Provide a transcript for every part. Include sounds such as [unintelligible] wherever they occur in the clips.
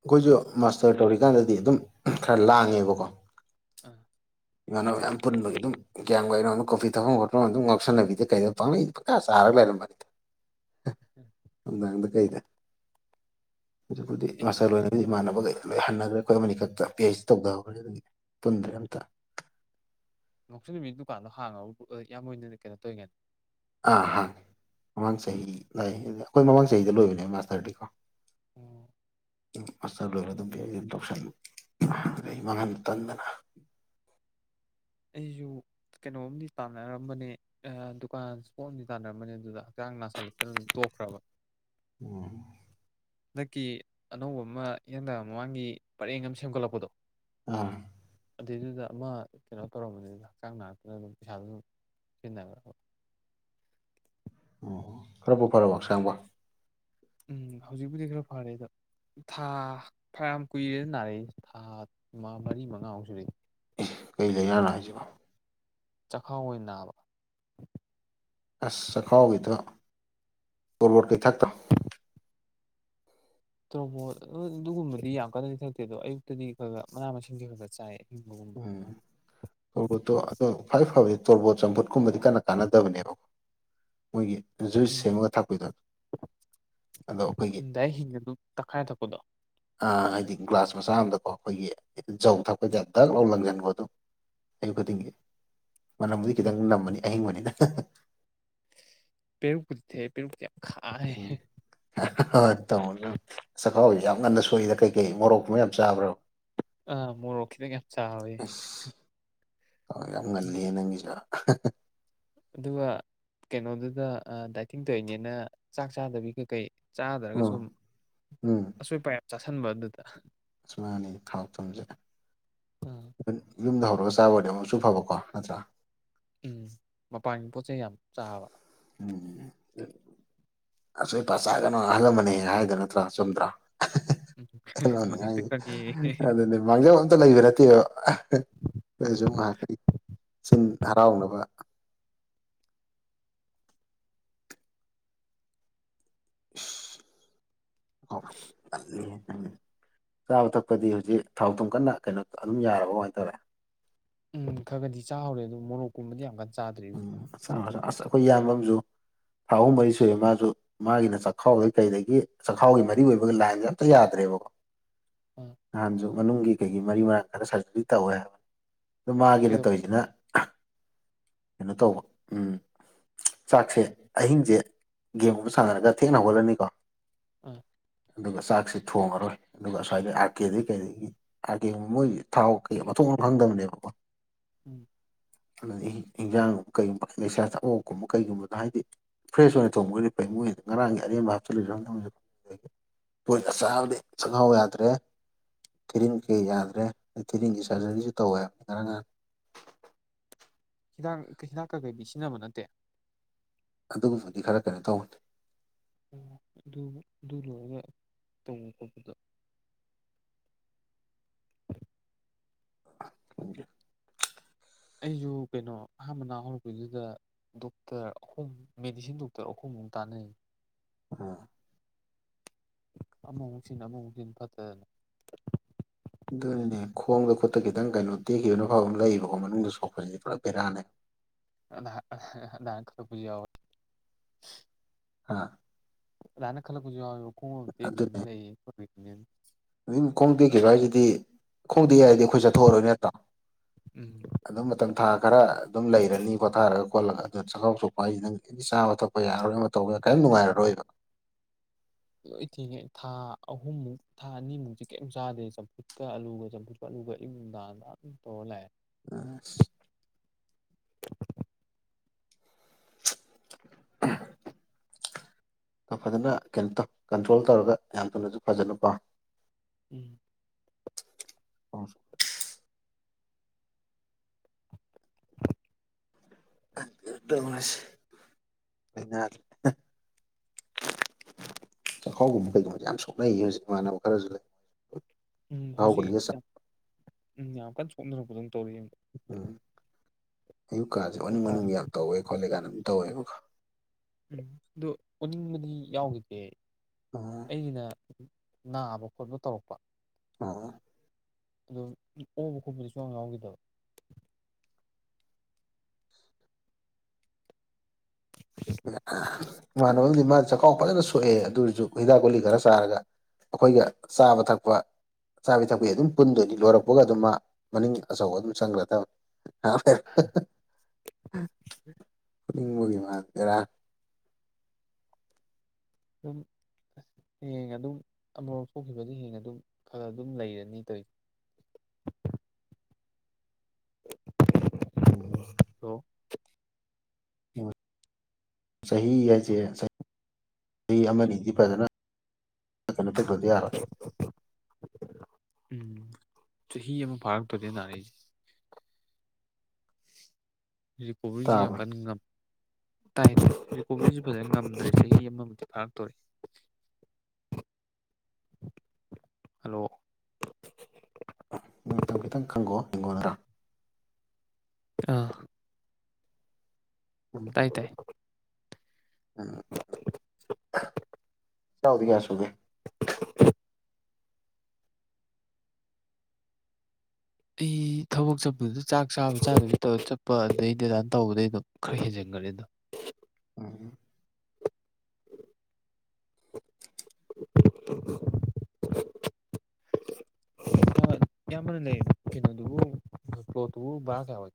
ꯑꯩꯈꯣꯏꯁꯨ ꯃꯥꯁꯇꯔ ꯇꯧꯔꯤꯀꯥꯟꯗꯗꯤ ꯑꯗꯨꯝ ꯈꯔ ꯂꯥꯡꯉꯦꯕꯀꯣ ꯎꯝ ꯏꯃꯥꯟꯅꯕ ꯃꯌꯥꯝ ꯄꯨꯟꯕꯒꯤ ꯑꯗꯨꯝ ꯒ꯭ꯌꯥꯟ ꯑꯣꯏꯩꯅꯣ ꯑꯗꯨꯝ ꯀꯣꯐꯤ ꯊꯛꯐꯝ ꯈꯣꯠꯄꯅ ꯑꯗꯨꯝ ꯉꯥꯎꯁꯟꯅꯕꯤꯗ ꯀꯩꯗꯣ ꯄꯪꯂꯛꯏꯥ ꯆꯥꯔꯒ ꯅꯤ ꯀꯩꯗ ꯍꯧꯖꯤꯛꯄꯨꯗꯤ ꯑꯦ ꯃꯆꯜ ꯑꯣꯏꯅꯗꯤ ꯀꯩꯅꯣ ꯏꯃꯥꯟꯅꯕꯒ ꯂꯣꯏ ꯍꯟꯅꯈ꯭ꯔꯦ ꯑꯩꯈꯣꯏ ꯃꯅꯤ ꯈꯛꯇ ꯑꯩꯁ ꯇꯧꯊꯍꯈꯅꯤ ꯑꯗꯨꯗꯤ ꯄꯨꯟꯗ꯭ꯔꯦ ꯑꯝꯇ ꯅꯣꯡꯁꯨ ꯅꯨꯃꯤꯠ ꯗꯨꯀꯥꯟꯗꯣ ꯍꯥꯡꯉ ꯌꯥꯝꯅ ꯀꯩꯅꯣ ꯇꯧꯔꯤꯉꯅꯤ ꯑꯥ ꯍꯥꯡ ꯃꯃꯥꯡ ꯆꯍꯤ ꯂꯥꯛꯑꯦ ꯑꯩꯈꯣꯏ ꯃꯃꯥꯡ ꯆꯍꯤꯗ ꯂꯣꯏꯕꯅꯦ ꯃꯥꯁꯇꯔꯗꯤꯀꯣ ꯎꯝ ꯎ ꯑꯁ ꯑꯗꯨ ꯇꯧꯁꯟ ꯑ ꯑꯩ ꯃꯥꯡꯍꯟ ꯇꯟꯗꯅ [inaudible] [unintelligible] ꯑꯩꯁꯨ ꯀꯩꯅꯣꯝꯗꯤ ꯇꯥꯟꯅꯔꯝꯕꯅꯦ ꯗꯨꯀꯥꯟ ꯏꯁ ꯄꯣꯠ ꯑꯝꯗꯤ ꯇꯥꯟꯅꯔꯝꯕꯅꯦ ꯑꯗꯨꯗ ꯍꯛꯆꯥꯡ ꯅꯥꯁꯤꯜꯂꯛꯇꯅ ꯇꯣꯛꯈ꯭ꯔꯕ ꯎꯝ ꯍꯟꯗꯛꯀꯤ ꯑꯅꯧꯕ ꯑꯃ ꯏꯍꯟꯗꯥ ꯃꯃꯥꯡꯒꯤ ꯄꯔꯦꯡ ꯑꯃ ꯁꯦꯝꯒꯠꯂꯛꯄꯗꯣ ꯑꯥ ꯑꯗꯨꯏꯗꯨꯗ ꯑꯃ ꯀꯩꯅꯣ ꯇꯧꯔꯝꯕꯅꯤꯗ ꯍꯛꯆꯥꯡ ꯅꯥꯛꯇꯅ ꯑꯗꯨꯝ ꯄꯩꯁꯥꯗ ꯑꯗꯨꯝ ꯁꯤꯖꯤꯟꯅꯈ꯭ꯔꯦ ꯑꯣ ꯈꯔꯕꯨ ꯐꯥꯔꯕꯣ ꯍꯛꯁꯥꯡꯕꯨ ꯎꯝ ꯍꯧꯖꯤꯛꯄꯨꯗꯤ ꯈꯔ ꯐꯔꯦꯗ ꯊꯥ ꯐꯌꯥꯝ ꯀꯨꯏꯔꯦꯅ ꯅꯥꯔꯛꯁꯦ ꯊꯥ ꯃꯔꯤ ꯃꯉꯥꯃꯨꯛ ꯁꯨꯔꯦ ꯀꯩ ꯂꯩꯅꯅꯣ ꯍꯥꯏꯁꯤꯕꯣ ꯆꯈꯥꯎ ꯑꯣꯏꯅ ꯅꯥꯕ ꯑꯁ ꯆꯈꯥꯎꯒꯤꯗꯣ ꯇꯣꯔꯕꯣꯠ ꯊꯥꯛꯇꯔꯣ ꯇ꯭ꯔꯣꯕꯣꯠ ꯑꯗꯨꯒꯨꯝꯕꯗꯤ ꯌꯥꯝ ꯀꯟꯅꯗꯤ ꯊꯛꯇꯦ ꯑꯗꯣ ꯑꯌꯨꯛꯇꯗꯤ ꯈꯔ ꯈꯔ ꯃꯅꯥ ꯃꯁꯤꯡꯁꯦ ꯈꯔ ꯈꯔ ꯆꯥꯏꯌꯦ ꯎꯝ ꯇꯣꯔꯕꯣꯠꯇꯣ ꯑ ꯈ꯭ꯋꯥꯥꯏ ꯐꯕꯗꯤ ꯇꯣꯔꯕꯣꯠ ꯆꯝꯐꯨꯠ ꯀꯨꯝꯕꯗꯤ ꯀꯟꯅ ꯀꯥꯟꯅꯗꯕꯅꯦꯕꯀꯣ ꯃꯣꯏꯒꯤ ꯖꯨꯏꯁ ꯎꯝ ꯁꯦꯝꯃꯒ ꯊꯥꯛꯄꯤꯗꯣ ꯑꯗꯣ ꯑꯩꯈꯣꯏꯒꯤ ꯎꯝ ꯗꯥꯏꯔꯦꯛ ꯍꯤꯡꯅ ꯑꯗꯨꯝ ꯇꯛꯈꯥꯏꯔ ꯊꯛꯄꯗꯣ ꯑꯥ ꯍꯥꯏꯗꯤ ꯒ꯭ꯂꯥꯁ ꯃꯆꯥ ꯑꯝꯗꯀꯣ ꯑꯩꯈꯣꯏꯒꯤ ꯖꯧ ꯊꯛꯄ ꯇꯥꯛ ꯂꯥꯎ ꯂꯪꯁꯤꯟꯀꯣ ꯑꯗꯨꯝ ꯑꯌꯨꯛ ꯈꯨꯗꯤꯡꯒꯤ ꯃꯅꯝꯕꯨꯗꯤ ꯎꯝ ꯈꯤꯇꯪ ꯅꯝꯃꯅꯤ ꯍꯌꯤꯡꯕꯅꯤꯗ ꯄꯦꯔ ꯀꯨꯗꯤꯦ ꯄꯦꯔꯗꯤ [inaudible] ꯎꯝ ꯍꯠꯇ [inaudible] ꯑꯥꯎ ꯌꯥꯝ ꯉꯟꯅ ꯁꯣꯛꯏꯗ ꯀꯩꯀꯩ ꯃꯣꯔꯣꯛꯀꯨꯝꯕ ꯌꯥꯝ ꯆꯥꯕ꯭ꯔꯣ ꯑꯥ ꯃꯨꯔꯣꯛ ꯈꯤꯇꯪ ꯍꯦꯟꯅ ꯆꯕꯩ ꯑ ꯌꯥꯝ ꯉꯜꯂꯦ ꯅꯪꯒꯤꯁꯨ ꯑꯗꯨꯒ ꯀꯩꯅꯣꯗꯨꯗ ꯗꯥꯏꯇꯤꯡ ꯇꯧꯏꯅꯦꯅ ꯆꯥꯛ ꯆꯥꯗꯕꯤ ꯀꯩꯀꯩ ꯆꯥꯗ꯭ꯔꯒ ꯁꯨꯝ ꯎꯝ ꯑꯆꯣꯏ ꯑꯄꯥ ꯌꯝ ꯆꯥꯥꯁꯟꯕ ꯑꯗꯨꯗ ꯃꯅꯦ ꯊꯥꯎ ꯊꯨꯝꯁꯦ ꯌꯨꯝꯗ ꯍꯧꯔꯒ ꯆꯥꯕꯗꯤ ꯑꯃꯨꯛꯁꯨ ꯐꯕꯀꯣ ꯅꯠꯇ꯭ꯔꯥ ꯎꯝ ꯃꯄꯥꯟꯒꯤ ꯄꯣꯠ ꯆꯩꯩ ꯌꯥꯝ ꯆꯥꯕ ꯎꯝ ꯑꯁꯣꯏ ꯑꯄꯥ ꯆꯥꯒꯅꯣ ꯑꯍꯥꯟ ꯂꯥꯃꯥꯟꯅ ꯍꯥꯏꯗꯣ ꯅꯠꯇ꯭ꯔꯥ ꯆꯨꯝꯗ꯭ꯔꯥ ꯎꯝ ꯅꯨꯡꯉꯥꯏ ꯑꯗꯨꯗꯤ ꯃꯥꯡꯖꯧ ꯑꯝꯇ ꯂꯩꯕ ꯅꯠꯇꯦꯕ ꯁꯨꯝ ꯉꯥꯏꯍꯥꯛꯇꯅꯤ ꯆꯤꯟ ꯍꯔꯥꯎꯅꯕ [inaudible] ꯎꯝ ꯆꯥꯕ ꯊꯛꯄꯗꯤ ꯍꯧꯖꯤꯛ ꯊꯥꯎ ꯊꯨꯝ ꯀꯟꯅ ꯀꯩꯅꯣ ꯑꯗꯨꯝ ꯌꯥꯔꯕ ꯀꯃꯥꯏꯅ ꯇꯧꯔꯦ ꯎꯟ ꯈꯔꯒꯗꯤ ꯆꯥꯍꯧꯔꯦ ꯑꯗꯨ ꯃꯣꯔꯣꯛꯀꯨꯝꯕꯗꯤ ꯌꯥꯝ ꯀꯟꯅ ꯆꯥꯗ꯭ꯔꯦ ꯍꯧꯖꯤꯛ ꯎꯝ ꯑꯁ ꯑꯩꯈꯣꯏ ꯢꯌꯥꯝꯕ ꯑꯃꯁꯨ ꯊꯥ ꯑꯍꯨꯝ ꯃꯔꯤ ꯁꯨꯔꯦ ꯃꯥꯁꯨ ꯃꯥꯒꯤꯅ ꯆꯥꯛꯈꯥꯎꯗꯩ ꯀꯩꯗꯒꯤ ꯆꯥꯛꯈꯥꯎꯒꯤ ꯃꯔꯤ ꯑꯣꯏꯕꯒꯤ ꯂꯥꯏꯟꯁ ꯑꯝꯇ ꯌꯥꯗ꯭ꯔꯦꯕꯀꯣ ꯑꯥ ꯅꯍꯥꯟꯁꯨ ꯃꯅꯨꯡꯒꯤ ꯀꯩꯒꯤ ꯃꯔꯤ ꯃꯔꯥꯡ ꯈꯥꯟꯗ ꯁꯔꯖꯔꯤ ꯇꯧꯋꯦ ꯍꯥꯏꯕꯅꯤ ꯑ ꯃꯥꯒꯤꯅ ꯀꯩꯗꯧ ꯇꯧꯔꯤꯗꯨꯅ ꯀꯩꯅꯣ ꯇꯧꯕ ꯎꯝ ꯆꯥꯛꯁꯦ ꯑꯍꯤꯡꯁꯦ ꯒꯦꯝꯒꯨꯝ ꯁꯥꯟꯅꯔꯒ ꯊꯦꯡꯅ ꯍꯧꯒꯠꯂꯅꯤꯀꯣ ꯎꯝ ꯑꯗꯨꯒ ꯆꯥꯛꯁꯤ ꯊꯣꯡꯉꯔꯣꯏ ꯑꯗꯨꯒ ꯑ꯭ꯏꯗ ꯑꯥꯔ ꯀꯦꯗꯩ ꯀꯩ ꯑꯥꯔ ꯀꯦꯒꯨꯝꯕ ꯃꯣꯏꯒꯤ ꯊꯥꯎ ꯀꯩ ꯃꯊꯣꯛ ꯑꯝ ꯈꯪꯗꯕꯅꯦꯕ ꯎꯝ ꯑꯗꯨ ꯍꯟꯖꯥꯡꯒꯕ ꯀꯩꯒꯨꯝꯕ ꯂꯩꯁꯥ ꯑꯋꯞꯀꯨꯝꯕ ꯀꯩꯒꯨꯝꯕꯗꯣ ꯍꯥꯏꯗꯤ [inaudible] ꯐ꯭ꯔꯦꯁ ꯑꯣꯏꯅ ꯊꯣꯡꯕꯒꯤꯗꯤ ꯐꯩ ꯃꯣꯏꯗꯣ ꯉꯔꯥꯡꯒꯤ ꯑꯔꯦꯝꯕ ꯍꯥꯞꯆꯤꯟꯂꯤꯔ ꯑꯈꯣꯢꯅ ꯆꯕꯗꯤ ꯆꯥꯛꯈꯥꯎ ꯌꯥꯗ꯭ꯔꯦ ꯊꯤꯔꯤꯟ ꯀꯩ ꯌꯥꯗ꯭ꯔꯦ ꯊꯤꯔꯤꯡꯒꯤ ꯁꯔꯖꯔꯤꯁꯨ ꯇꯧꯋꯦꯕ ꯉꯔ ꯉꯍ ꯍꯤꯗꯥꯛ ꯍꯤꯗꯥꯛ ꯀꯀꯩꯗꯤ ꯁꯤꯖꯤꯟꯅꯕ ꯅꯠꯇꯦ ꯑꯗꯨꯒꯨꯝꯕꯗꯤ ꯈꯔ ꯀꯩꯅꯣ ꯇꯧꯅꯤ ꯑꯗꯨ ꯂꯣꯏꯔꯒ ꯇꯣꯡ ꯈꯣꯠꯄꯗꯣ [unintelligible] ꯑꯩꯁꯨ ꯀꯩꯅꯣ ꯑꯍꯥꯟꯕꯅ ꯍꯧꯔꯛꯄꯗꯨꯗ ꯗꯣꯛꯇꯔ ꯑꯍꯨꯝ ꯃꯦꯗꯤꯁꯤꯟ ꯗꯣꯛꯇꯔ ꯑꯍꯨꯝ ꯆꯟ ꯇꯅꯤ ꯑꯥ ꯑꯃꯨꯛ ꯍꯨꯛꯁꯤꯟ ꯑꯃꯨꯛ ꯍꯨꯛꯁꯤꯟ ꯐꯠꯇꯗꯅ ꯑꯗꯨꯅꯤꯅꯦ ꯈꯣꯡꯗ ꯈꯨꯠꯇ ꯈꯤꯇꯪ ꯀꯩꯅꯣ ꯇꯦꯛꯈꯤꯕꯅ ꯐꯥꯎꯕ ꯂꯩꯌꯦꯕꯀꯣ ꯃꯅꯨꯡꯗ ꯁꯣꯛ ꯑ ꯑ ꯆ ꯄꯨ ꯌꯥꯕ ꯍꯥꯥ ꯔꯅꯦ ꯈꯂꯛꯒ ꯎ ꯌꯌ ꯑꯗꯨꯅꯦ ꯑꯗꯨꯝ ꯈꯣꯡꯗꯦꯛꯈꯤꯕ ꯍꯥꯏꯁꯤꯗꯤ ꯈꯣꯡꯗꯦ ꯌꯥ ꯗꯤ ꯑꯩꯈꯣꯏ ꯆꯠꯊꯣꯛꯑꯔꯣꯏ ꯅꯠꯇꯣ ꯎꯝ ꯑꯗꯨꯝ ꯃꯇꯝ ꯊꯥ ꯈꯔ ꯑꯗꯨꯝ ꯂꯩꯔꯅꯤ ꯈꯣꯊꯥꯔꯒ ꯈꯣꯠꯂꯒ ꯑꯗꯨ ꯆꯥꯛꯈꯥꯎ ꯆꯣꯛꯄ ꯍꯥꯏꯁꯤ ꯅꯪ ꯑꯦꯅꯤ ꯆꯥꯕ ꯊꯛꯄ ꯌꯥꯔꯣꯏ ꯑꯃ ꯇꯧꯕ ꯌꯥ ꯀꯩ ꯉꯥꯏꯔꯣꯏꯕ [inaudible] ꯂꯣꯏ ꯊꯦꯡꯉꯦ ꯊꯥ ꯑꯍꯨꯝꯃꯨꯛ ꯊꯥ ꯑꯅꯤꯃꯨꯛꯛꯇ ꯀꯩꯝ ꯆꯥꯗ꯭ꯔꯦ ꯆꯝꯐꯨꯠꯀ ꯑꯂꯨꯒ ꯆꯝꯐꯨꯠꯀ ꯑꯂꯨꯒ ꯇꯣꯂꯦ ꯑ [unintelligible] [inaudible] [inaudible] ꯐꯖꯅ ꯀꯩꯅꯣ ꯇꯧ ꯀꯟꯇ꯭ꯔꯣꯜ ꯇꯧꯔꯒ ꯌꯥꯝ ꯊꯨꯅꯁꯨ ꯐꯖꯅ ꯄꯥ ꯎꯝ ꯑ ꯁ ꯆꯥꯛꯈꯥꯎꯒꯨꯝꯕ ꯀꯩꯒꯨꯝꯕꯁꯦ ꯌꯥꯝ ꯁꯣꯛꯅꯩꯌꯦ ꯍꯧꯖꯤꯛ ꯏꯃꯥꯟꯅꯕ ꯈꯔꯁꯨ ꯂꯩ ꯎꯝ ꯆꯥꯛꯈꯥꯎ ꯍꯧꯖꯤꯛ ꯒꯨꯂꯤꯒ ꯆꯥ ꯎꯝ ꯌꯥꯝ ꯀꯟꯅ ꯁꯣꯛꯅꯔꯛꯄꯗꯝ ꯇꯧꯔꯤ ꯑꯌꯨꯛꯀꯥꯟꯥꯁꯦ ꯃꯅꯨꯡ ꯃꯄꯥꯟ ꯃꯅꯨꯡ ꯌꯥꯝ ꯇꯧꯋꯦ ꯈꯣꯠꯂꯦ ꯀꯥꯟꯅ ꯑꯗꯨ ꯇꯧꯋꯦꯕ ꯎ ꯑꯗꯨ ꯑꯣꯅꯤꯡꯕꯗꯤ ꯌꯥꯎꯈꯤꯗꯦ ꯎꯝ ꯑꯒꯤꯩꯅ ꯅꯥꯕ ꯈꯣꯠꯄ ꯇꯧꯔꯛꯄ ꯑ ꯑꯗꯨ ꯑꯣꯕ ꯈꯣꯠꯄꯗꯨꯁꯨ ꯌꯥꯝ ꯉꯎꯈꯤꯗꯕ [unintelligible] ꯏꯃꯥꯟꯅꯕ ꯑꯃꯗꯤ ꯃꯥ ꯆꯈꯥꯎ ꯐꯖꯅ ꯁꯣꯛꯑꯦ ꯑꯗꯨ ꯑꯣꯏꯔꯁꯨ ꯍꯤꯗꯥꯛ ꯒꯨꯂꯤ ꯈꯔ ꯆꯥꯔꯒ ꯑꯩꯈꯣꯏꯒ ꯆꯥꯕ ꯊꯛꯄ ꯑꯆꯥꯥꯕꯤ ꯊꯛꯄꯤ ꯑꯗꯨꯝ ꯄꯨꯟꯗꯣꯏꯅꯤ ꯂꯣꯏꯔꯛꯄꯒ ꯑꯗꯨꯝ ꯃꯥ ꯃꯅꯤꯡ ꯑꯆꯧꯕ ꯑꯗꯨꯝ ꯆꯪꯈ꯭ꯔ ꯇꯕꯅꯤ ꯄꯨꯒꯤ ꯃꯥꯗꯦꯔ ꯎꯝ ꯁ ꯍꯌꯦꯡ ꯑꯗꯨꯝ ꯑꯃꯔꯣꯝ ꯊꯣꯛꯈꯤꯕꯗꯤ ꯍꯦꯡ ꯑꯗꯨꯝ ꯈꯔ ꯑꯗꯨꯝ ꯂꯩꯔꯅꯤ ꯇꯧꯔꯤ [inaudible] ꯎꯝ ꯑꯗꯣ ꯑ ꯆꯍꯤ ꯍꯥꯏꯁꯦ ꯆꯍꯤ ꯑꯃꯅꯤꯗꯤ ꯐꯖꯅ ꯑꯗꯨꯗꯤꯔ ꯎꯝ ꯆꯍꯤ ꯑꯃꯛ ꯐꯥꯔꯛꯛꯇꯗ ꯅꯥꯔꯁꯦ ꯔꯤꯀꯣꯚꯁꯤꯦ ꯌꯥꯝ ꯇꯥꯕ꯭ꯔꯥ ꯀꯟꯅ ꯉꯝ ꯇꯥꯏꯁꯨ ꯐꯖ ꯉꯝꯗ꯭ꯔꯦ ꯆꯍꯤ ꯑꯃꯃꯨꯛꯇꯤ ꯐꯥꯔꯛꯇꯣꯔꯤ [inaudible] ꯍꯂꯣ ꯃꯇꯝ ꯈꯤꯇꯪ ꯈꯪꯉꯣ ꯍꯤꯡꯒꯣꯗꯔꯥ ꯑꯥ ꯇꯥꯏ ꯇꯥꯏ ꯆꯥꯎꯥꯎꯗꯤ ꯌꯥꯁꯨꯒ ꯑꯩ ꯊꯕꯛ ꯆꯠꯄꯗꯨꯗ ꯆꯥꯛ ꯆꯥꯕ ꯆꯥꯗꯕꯤ ꯇꯧꯔ ꯆꯠꯄ ꯑꯗꯨꯗꯩꯗꯤꯗꯥꯅ ꯇꯧꯕꯗꯩ ꯑꯗꯨꯝ ꯈꯔ ꯍꯦꯟꯖꯟꯈꯅꯤꯦ ꯑꯗꯣ [inaudible] [unintelligible] [inaudible] [unintelligible] ꯌꯥꯝꯃꯅꯤ ꯂꯩꯩꯅ ꯑꯗꯨ ꯇꯣ ꯇ ꯀꯌꯥꯋꯥ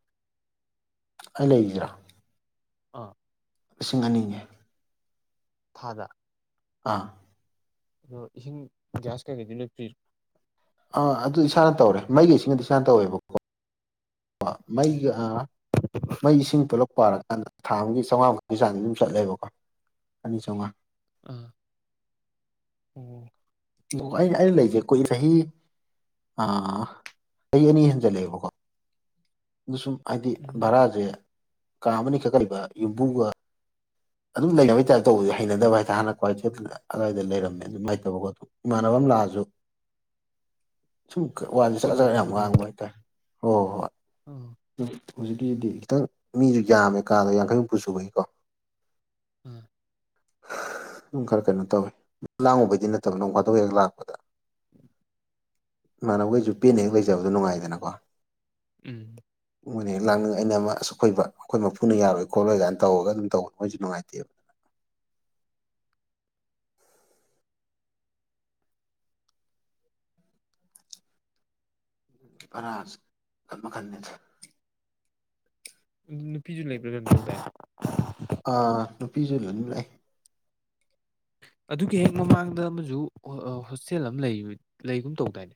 ꯑꯩ ꯂꯩꯗ꯭ꯔꯥ ꯑꯥ ꯂꯤꯁꯤꯡ ꯑꯅꯤꯅꯤ ꯊꯥꯗ ꯑꯥ ꯏꯁꯤꯡ ꯥꯁ ꯀꯒꯩꯗꯅ ꯐꯔꯤ ꯑꯥ ꯑꯗꯨꯗꯤ ꯏꯁꯥꯅ ꯇꯧꯔꯦ ꯃꯩꯒꯤꯁꯤꯅꯗꯤ ꯏꯁꯥꯅ ꯇꯧꯋꯦꯕꯀꯣ ꯑꯥ ꯃꯩꯒ ꯃꯩ ꯏꯁꯤꯡ ꯄꯨꯂꯞ ꯄꯥꯔꯀꯥꯟꯗ ꯊꯥ ꯑꯃꯒꯤ ꯆꯥꯝꯃꯉꯥꯃꯨꯛꯀꯤ ꯆꯥꯅꯤ ꯑꯗꯨꯝ ꯆꯠꯂꯦꯕꯀꯣ ꯑꯅꯤ ꯆꯥꯝꯃꯉꯥ ꯑꯝ ꯎꯝ ꯑꯣ ꯑꯩ ꯑꯩꯅ ꯂꯩꯒꯦ ꯀꯣꯏ ꯆꯍꯤ ꯑꯥ ꯀꯩ ꯑꯅꯤ ꯌꯦꯟ ꯆꯂꯦꯕꯀꯣ ꯑꯗꯨ ꯁꯨꯝ ꯍꯥꯏꯕꯗꯤ ꯎꯝ ꯚꯔꯥꯁꯦ ꯀꯥ ꯑꯃꯅꯤꯅꯤꯈꯛ ꯂꯩꯕ ꯌꯨꯝꯕꯨꯒ ꯑꯗꯨꯝ ꯂꯩꯅꯕꯩ ꯇꯥꯏꯞ ꯇꯧꯕ ꯍꯩꯅꯗꯕ ꯍꯥꯏꯇꯥꯔ ꯍꯥꯟꯅ ꯈ꯭ꯋꯥꯏ ꯑꯗꯨ ꯑꯗꯨꯋꯥꯏꯗ ꯂꯩꯔꯝꯃꯦ ꯑꯗꯨꯝꯥꯏꯅꯇꯕꯀꯣ ꯑꯗꯨ ꯏꯃꯥꯟꯅꯕ ꯝꯂꯥꯁꯨ ꯁꯨꯝ ꯋꯥ ꯄꯨꯟꯕ ꯆꯠꯖ ꯌꯥꯝ ꯋꯥꯡꯕ ꯍꯥꯏꯇꯥꯔꯦ ꯍꯣꯏ ꯍꯣꯏ ꯍꯣꯏ ꯎꯝ ꯑꯗꯨ ꯍꯧꯖꯤꯛꯀꯤꯗꯤ ꯈꯤꯇꯪ ꯃꯤꯁꯨ ꯌꯥꯝꯃꯦ ꯀꯥꯗꯣ ꯌꯥꯡꯈꯩꯃꯨꯛꯨ ꯁꯨꯕꯒꯤꯀꯣ ꯑꯥ ꯑꯗꯨꯝ ꯈꯔ ꯀꯩꯅꯣ ꯇꯧꯋꯤ ꯂꯥꯡꯉꯨꯕꯩꯗꯤ ꯅꯠꯇꯕ ꯅꯣꯡ ꯈꯥꯗꯣꯛ ꯍꯦꯛ ꯂꯥꯛꯄꯗ [inaudible] ꯏꯃꯅꯕꯈꯣꯏꯁꯨ ꯄꯦꯅꯤꯡ ꯂꯩꯖꯕꯗꯣ ꯅꯨꯡꯉꯥꯏꯗꯅꯀꯣ ꯎꯝ ꯃꯣꯏꯅ ꯂꯥꯡꯅꯤꯡ ꯑꯩꯅ ꯑꯃ ꯑꯁꯨꯛ ꯐꯩꯕ ꯑꯩꯈꯣꯏ ꯃꯄꯨꯅ ꯌꯥꯔꯣꯏ ꯈꯣꯠꯂꯣꯏ ꯀꯥꯏꯅ ꯇꯧꯔꯒ ꯑꯗꯨꯝ ꯇꯧꯋꯤ ꯃꯖ ꯅꯨꯡꯉꯥꯏꯇꯕ ꯐꯔ ꯃꯈꯟ ꯃꯈꯟꯅꯤ ꯅꯨꯄꯤꯁꯨ ꯂꯩꯕ꯭ꯔꯥ ꯑꯗꯨ ꯇ ꯑꯥ ꯅꯨꯨꯄꯤꯖꯂꯅꯤ ꯂꯩꯥꯏ ꯑꯗꯨꯒꯤ ꯍꯦꯛ ꯃꯃꯥꯡꯗ ꯑꯃꯁꯨ ꯍꯣꯁꯇꯦꯜ ꯑꯃ ꯂꯩ ꯂꯩꯒꯨꯝ ꯇꯧꯗꯥꯏꯅꯦ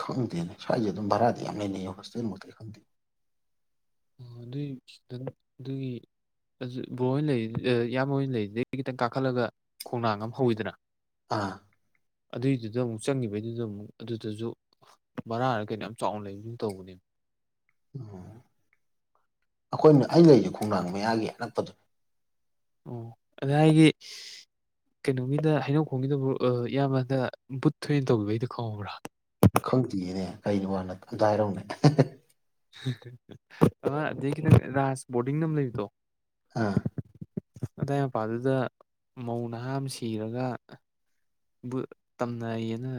ꯈꯪꯗꯅꯦ ꯁꯥꯏꯖꯦ ꯑꯗꯨꯝ ꯚꯔꯥꯗꯤ ꯌꯥꯝ ꯑꯃꯅꯅꯦ ꯍꯣꯁꯇꯦꯜ ꯃꯠꯇ ꯈꯪꯗꯤ ꯑꯣ ꯑꯗꯨꯏꯗꯪ ꯑꯗꯨꯒꯤ ꯕꯣꯔ ꯂꯩꯔꯤ ꯏꯌꯥꯝꯕꯣꯏ ꯂꯩꯔꯤꯗꯩ ꯈꯤꯇꯪ ꯀꯥꯈꯠꯂꯒ ꯈꯣꯡꯅꯥꯡ ꯑꯃ ꯍꯧꯋꯤꯗꯅ ꯑꯥ ꯑꯗꯨꯏꯗꯨꯗ ꯑꯃꯨꯛ ꯆꯪꯉꯤꯕꯩꯗꯨꯗ ꯑꯃꯨꯛ ꯑꯗꯨꯗꯁꯨ ꯕꯔꯥꯔ ꯀꯩꯅꯣ ꯌꯥꯝ ꯆꯥꯎꯅ ꯂꯩꯕꯁꯨ ꯇꯧꯕꯅꯦ ꯑꯣ ꯑꯩꯈꯣꯏꯅ ꯑꯩ ꯂꯩꯔꯤ ꯈꯣꯡꯅꯥꯡ ꯃꯌꯥꯒꯤ ꯑꯅꯛꯄꯗꯨꯅꯤ ꯑꯣ ꯑꯗꯨ ꯑꯩꯒꯤ ꯀꯩꯅꯣꯒꯤꯗ ꯍꯩꯅꯧꯈꯣꯡꯒꯤꯗꯕꯨ ꯏꯌꯥꯝꯕꯗ ꯕꯨꯠ ꯊꯣꯏꯅ ꯇꯧꯕꯤꯕꯩꯗꯨꯣ ꯈꯪꯉꯕ꯭ꯔꯥ ꯈꯪꯗ꯭ꯔꯤꯅꯦ ꯀꯒꯤꯣ ꯋꯥ ꯅꯝꯇ ꯍꯥꯏꯔꯝꯅꯦ ꯑ ꯑ ꯈꯤꯇꯪ ꯔꯥꯁ ꯕꯣꯔꯗꯤꯡ ꯅ ꯑꯃ ꯂꯩꯔꯤꯗꯣ ꯑꯥ ꯑꯗꯥꯏ ꯃꯄꯥꯗꯨꯗ ꯃꯧ ꯅꯍꯥ ꯑꯃ ꯁꯤꯔꯒ ꯕꯨ ꯇꯝꯅꯩꯌꯦꯅ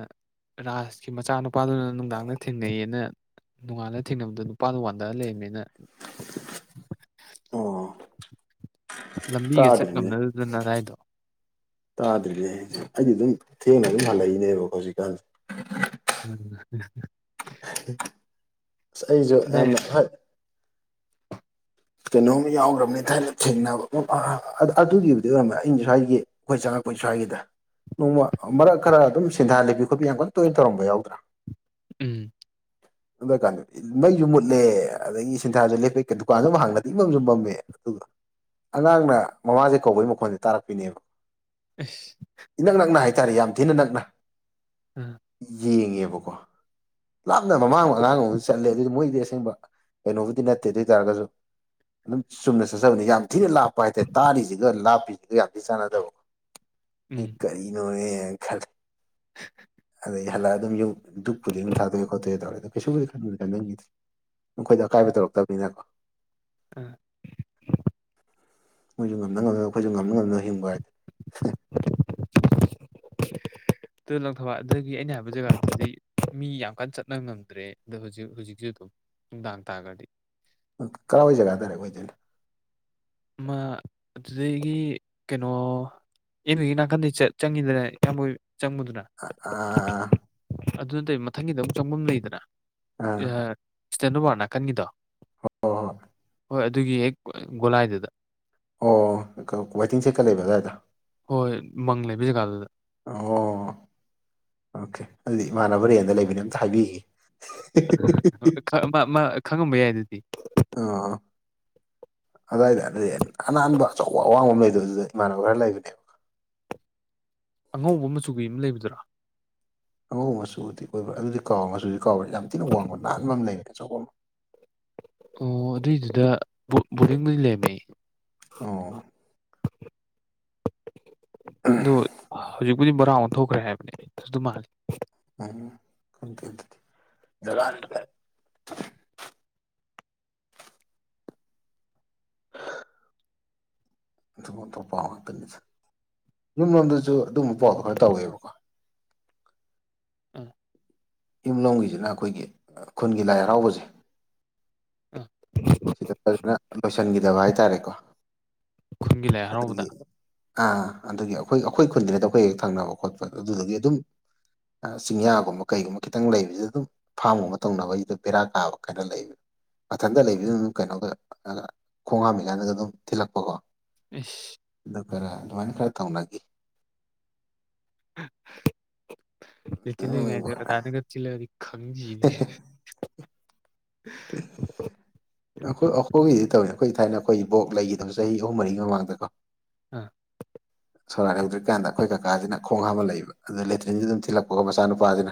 ꯔꯥꯁꯀꯤ ꯃꯆꯥꯅꯨꯄꯥꯗꯨꯅ ꯅꯨꯡꯗꯥꯡꯗ ꯊꯦꯡꯅꯩꯌꯦꯅ꯫ ꯅꯣꯡꯉꯥꯜꯂꯒ ꯊꯦꯡꯅꯕꯗꯣ ꯅꯨꯄꯥꯗꯣ ꯋꯥꯟꯗ ꯂꯩꯔꯝꯃꯦꯅ꯫ ꯑꯣ꯫ ꯂꯝꯕꯤꯒ ꯆꯠ ꯇꯥꯗ꯭ꯔꯤꯅꯦ ꯉꯝꯅꯗꯗꯅ ꯑꯗꯨꯋꯥꯏꯗꯣ꯫ ꯇꯥꯗ꯭ꯔꯤꯅꯦ ꯑꯩꯗꯤ ꯑꯩꯗꯤ ꯑꯗꯨꯝ ꯊꯦꯡꯅ ꯑꯗꯨꯝ ꯍꯜꯂꯛꯏꯅꯦ ꯏꯕꯣ ꯍꯧꯖꯤꯛꯀꯥꯟꯁꯦ꯫ ꯎꯝ꯫ ꯑꯁ ꯑꯩꯁꯨ ꯑꯗꯥꯏ ꯌꯥꯝꯅ꯫ ꯀꯩꯅꯣꯝ ꯌꯥꯎꯈ꯭ꯔꯕꯅꯤ ꯊꯥꯏꯅ ꯊꯦꯡꯅꯕ ꯑꯗꯨꯒꯤꯕꯨꯗꯤ ꯑꯣꯏꯔꯝꯃꯦ ꯑꯩꯅ ꯁ꯭ꯋꯥꯏꯒꯤ ꯑꯩꯈꯣꯏ ꯆ꯫ ꯑꯩꯈꯣꯏ ꯁ꯭ꯋꯥꯏꯒꯤꯗ ꯅꯣꯡꯃ ꯃꯔꯛ ꯈꯔ ꯑꯗꯨꯝ ꯁꯦꯟꯊꯥꯜꯂꯤ ꯈꯨꯕꯤ ꯌꯥꯡ ꯀꯟꯅ ꯇꯣꯏꯅ ꯇꯧꯔꯝꯕ ꯌꯥꯎꯗ꯭ꯔꯥ꯫ ꯎꯝ ꯑꯗꯨ ꯀꯥꯟꯗ ꯃꯩꯁꯨ ꯃꯨꯠꯂꯦ ꯑꯗꯒꯤ ꯁꯤꯟꯊꯥꯁꯨ ꯂꯦꯞꯄꯩ ꯗꯨꯀꯥꯟ ꯑꯝ ꯍꯥꯡꯉꯦ꯫ ꯃꯃꯝꯖꯨ ꯃꯝꯃꯦ ꯑꯗꯨꯒ ꯑꯉꯥꯡꯅ ꯃꯃꯥꯁꯦ ꯀꯧꯕꯒꯤ ꯃꯈꯣꯟꯁꯦ ꯇꯥꯔꯛꯄꯤꯅꯦꯕ꯫ ꯑꯁ ꯏꯅꯛ ꯅꯛꯅ ꯍꯥꯏꯇꯥꯔꯦ ꯌꯥꯝ ꯊꯤꯅ ꯅꯛꯅ ꯎꯝ ꯌꯦꯡꯉꯦꯕꯀꯣ ꯂꯥꯞꯅ ꯃꯃꯥꯡ ꯑꯉꯥꯡ ꯑꯃꯗꯤ ꯆꯠꯂꯦ ꯑꯗꯨꯗꯤ ꯃꯣꯏꯗꯤ ꯑꯁꯦꯡꯕ ꯀꯩꯅꯣꯕꯨꯗꯤ ꯅꯠꯇꯦ ꯑꯗꯨ ꯑꯣꯏ ꯇꯥꯔꯒꯁꯨ ꯑꯗꯨꯝ ꯆꯨꯝꯅ ꯆꯠꯆꯕꯅꯤ ꯌꯥꯝ ꯊꯤꯅ ꯂꯥꯞꯄ ꯍꯥꯏꯇꯥꯔꯦ ꯇꯥꯔꯤꯖꯤꯒ ꯂꯥꯞꯄꯤꯖꯤꯒ ꯌꯥꯝ ꯊꯤꯅ ꯆꯥꯟꯅꯗꯕꯀꯣ꯫ ꯑꯩ ꯎꯝ ꯀꯔꯤꯅꯣꯅꯦꯅ ꯈꯂꯦ ꯑꯗꯩ ꯍꯜꯂꯛ ꯑꯗꯨꯝ ꯌꯝ꯫ ꯗꯨꯛꯄꯨꯗꯤ ꯑꯗꯨꯝ ꯊꯥꯗꯣꯛꯑꯦ ꯈꯣꯇꯣꯛꯑꯦ ꯇꯧꯔꯦ ꯑꯗꯨ ꯀꯩꯁꯨꯕꯨꯗꯤ ꯈꯟꯕꯨꯗꯤ ꯈꯟꯖꯟꯒꯤꯗꯦ꯫ ꯃꯈꯣꯏꯗ ꯑꯀꯥꯏꯕ ꯇꯧꯔꯛꯇꯕꯅꯤꯅꯀꯣ꯫ ꯑꯥ꯫ ꯃꯣꯏꯁꯨ ꯉꯝꯅ ꯉꯝ ꯑꯩꯈꯣꯏꯁꯨ ꯉꯝꯅ ꯉꯝꯅ ꯍꯤꯡꯕ ꯍꯥꯏꯗꯤ꯫ [unintelligible] [inaudible] ꯇꯨ ꯂꯪꯊꯕꯥꯜ ꯑꯗꯒꯤ ꯑꯩꯅ ꯍꯥꯏꯕ ꯖꯒꯥꯗꯨꯗꯤ꯫ ꯃꯤ ꯌꯥꯝ ꯀꯟꯅ ꯆꯠꯅꯕ ꯉꯝꯗ꯭ꯔꯦ ꯑꯗꯣ ꯍꯧꯖꯤꯛ ꯍꯧꯖꯤꯛꯁꯨ ꯑꯗꯨꯝ ꯅꯨꯡꯗꯥꯡ ꯇꯥꯈ꯭ꯔꯗꯤ꯫ ꯀꯥꯏ ꯌꯥꯏ ꯖꯒꯥ ꯗꯥꯏꯔꯦꯛ ꯑꯣꯏꯗꯣꯏꯅꯣ ꯑꯃ ꯑꯗꯨꯗꯒꯤ ꯀꯩꯅꯣ꯫ ꯑꯦꯝꯌꯨꯒꯤ ꯅꯥꯀꯟꯗꯤ ꯆꯪ ꯆꯪꯉꯤꯗꯅ ꯏꯌꯥꯝꯕꯣ ꯑ ꯑꯥ ꯑ ꯑꯗꯨ ꯅꯠꯇꯧ ꯃꯊꯪꯒꯤꯗ ꯑꯃꯨꯛ ꯆꯪꯐꯝ ꯂꯩꯗꯅ ꯑꯥ ꯏꯁꯇꯦꯟꯗꯔꯣꯕꯥꯔꯠ ꯅꯥꯀꯟꯒꯤꯗꯣ ꯍꯣ ꯍꯣ ꯍꯣꯏ ꯑꯗꯨꯒꯤ ꯍꯦꯛ ꯒꯣꯂꯥꯏꯗꯨꯗ ꯑꯣ ꯋꯥꯏꯇꯤꯡ ꯁꯦꯠꯀ ꯂꯩꯕ ꯑꯗꯨꯋꯥꯏꯗꯣ ꯍꯣꯏ ꯃꯪ ꯂꯩꯕ ꯖꯒꯗꯨꯗ ꯑꯣ ꯑꯣꯀꯦ ꯑꯗꯨꯗꯤ ꯏꯃꯥꯟꯅꯕ ꯔꯦꯟꯗ ꯂꯩꯕꯅꯦ ꯑꯝꯇ ꯍꯥꯏꯕꯤꯒꯤꯒꯦ ꯈꯪꯉꯝꯕ ꯌꯥꯏ ꯑꯗꯨꯗꯤ ꯑꯥ ꯑꯗꯨꯋꯥꯏꯗ ꯑꯗꯨꯗꯤ ꯑꯅꯥꯟꯕ ꯑꯆꯧꯕ ꯑꯋꯥꯡꯕ ꯑꯃ ꯂꯩꯗꯣꯏ ꯑꯗꯨꯗ ꯏꯃꯥꯟꯅꯕ ꯈꯔ ꯂꯩꯕꯅꯦꯕ ꯑꯉꯧꯕ ꯃꯆꯨꯒꯤ ꯑꯃ ꯂꯩꯕꯗꯨꯔꯥ ꯑꯉꯧꯕ ꯃꯆꯨꯗꯤ ꯑꯣꯏꯕ꯭ꯔꯥ ꯑꯗꯨꯗꯤ ꯀꯥꯎ ꯃꯆꯨꯗꯤ ꯀꯥꯎꯕ꯭ꯔꯦ ꯌꯥꯝ ꯊꯤꯅ ꯋꯥꯡꯕ ꯅꯥꯟ ꯑꯃ ꯂꯩꯕꯅꯦ ꯑꯆꯧꯕ ꯑꯃ ꯑꯣ ꯑꯗꯨꯏꯗꯨꯗ ꯕꯣꯗꯤꯡꯗꯨꯗꯤ ꯂꯩꯔꯃꯦ ꯑꯣ ꯑꯗꯨ ꯍꯧꯖꯤꯛꯄꯨꯗꯤ ꯕꯣꯔꯥ ꯑꯣꯟꯊꯣꯛꯈ꯭ꯔꯦ ꯍꯥꯏꯕꯅꯦ ꯑꯗꯨꯝ ꯃꯥꯜꯂꯤ ꯎꯝ ꯈꯪꯗꯦ ꯑꯗꯨꯗꯤ ꯑꯣꯟꯊꯣꯛ ꯑꯣꯟꯊꯣꯛ ꯉꯥꯛꯇꯅꯤ ꯌꯨꯝꯂꯣꯝꯗꯁꯨ ꯑꯗꯨꯒꯨꯝꯕ ꯄꯥꯎꯗꯣ ꯎꯝ ꯈꯔ ꯇꯧꯋꯦꯕꯀꯣ ꯎꯝ ꯌꯨꯝꯂꯣꯝꯒꯤꯁꯤꯅ ꯑꯩꯈꯣꯏꯒꯤ ꯈꯨꯟꯒꯤ ꯂꯥꯏ ꯍꯔꯥꯎꯕꯁꯦ꯫ ꯑ꯫ ꯁꯤꯗ ꯐꯖꯅ ꯂꯣꯏꯁꯤꯟꯈꯤꯗꯕ ꯍꯥꯏꯇꯥꯔꯦꯀꯣ ꯈꯨꯟꯒꯤ ꯂꯥꯏ ꯍꯔꯥꯎꯕꯗ ꯑꯗꯨꯒꯤ꯫ ꯑꯥ ꯑꯗꯨꯒꯤ ꯑꯩꯈꯣꯏ ꯑꯩꯈꯣꯏ ꯈꯨꯟꯗ꯭ꯔꯦꯗ ꯑꯩꯈꯣꯏ ꯍꯦꯛ ꯊꯪꯅꯕ ꯈꯣꯠꯄ ꯑꯗꯨꯗꯨꯗꯒꯤ ꯑꯗꯨꯝ꯫ ꯆꯤꯡꯌꯥꯒꯨꯝꯕ ꯀꯩꯒꯨꯝꯕ ꯈꯤꯇꯪ ꯂꯩꯕꯁꯤ ꯑꯗꯨꯝ ꯐꯥꯝꯒꯨꯝꯕ ꯇꯧꯅꯕꯒꯤꯗ ꯕꯦꯔꯥ ꯀꯥꯕ ꯈꯔ ꯂꯩꯕ ꯃꯊꯟꯇ ꯂꯩꯕꯤꯗꯨꯅ ꯑꯗꯨꯝ ꯀꯩꯅꯣꯗ ꯈꯣꯡ ꯍꯥꯝꯃꯤ ꯀꯥꯏꯅꯗ ꯑꯗꯨꯝ ꯊꯤꯜꯂꯛꯄꯀꯣ ꯑꯁ ꯑꯗꯨ ꯈꯔ ꯑꯗꯨꯃꯥꯏꯅ ꯈꯔ ꯇꯧꯅꯈꯤ ꯂꯤꯇꯤꯜ ꯅꯣꯛꯅꯤꯡꯕ ꯂꯩꯉꯥꯏꯗ ꯔꯗꯥꯥꯅꯒ ꯆꯤꯜꯂꯒꯗꯤ ꯈꯪꯈꯤꯅꯤ ꯑꯩꯈꯣꯏ ꯑꯩꯈꯣꯏꯒꯤꯗꯤ ꯇꯧꯋꯦ ꯑꯩꯈꯣꯏ ꯊꯥꯏꯅ ꯑꯩꯈꯣꯏ ꯕꯣꯛ ꯂꯩꯈꯤꯗꯕ ꯆꯍꯤ ꯑꯍꯨꯝ ꯃꯔꯤꯒꯤ ꯃꯃꯥꯡꯗ ꯀꯣ ꯑ ꯁꯣꯔꯥꯛ ꯍꯦꯡꯗ꯭ꯔꯤ ꯀꯥꯟꯗ ꯑꯩꯈꯣꯏ ꯀꯀꯥꯁꯤꯅ ꯈꯣꯡ ꯍꯥꯝꯃ ꯂꯩꯛꯏꯕ ꯑꯗꯨ ꯂꯦꯇ꯭ꯔꯤꯟꯁꯨ ꯑꯗꯨꯝ ꯊꯤꯜꯂꯛꯄꯒ ꯃꯆꯥꯅꯨꯄꯥꯁꯤꯅ